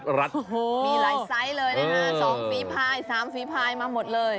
มีลายไซส์เลยนะฮะ๒ฝีพาย๓ฝีพายมาหมดเลย